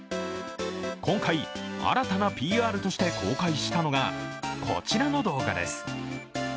今回、新たなＰＲとして公開したのがこちらの動画です。